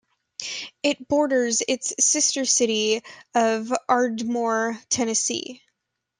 It borders its sister city of Ardmore, Tennessee.